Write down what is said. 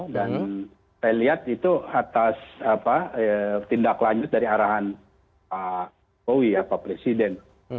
dan saya lihat itu atas tindak lanjut dari arahan pak bowie pak presiden